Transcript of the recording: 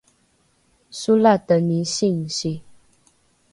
solateni singsi